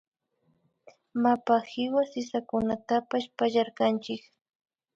Mapa kiwa sisakunatapash pallarkanchik